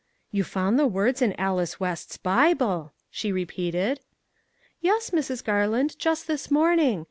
" You found the words in Alice West's Bible !" she repeated. " Yes, Mrs. Garland, just this morning.